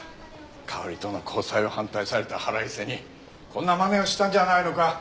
香織との交際を反対された腹いせにこんなまねをしたんじゃないのか？